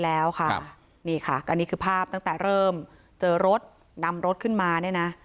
แล้วค่ะนี่ค่ะอันนี้คือภาพตั้งแต่เริ่มเจอรถนำรถขึ้นมาเนี่ยนะ